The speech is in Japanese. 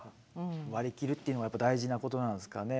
割り切るっていうのは大事なことなんですかね。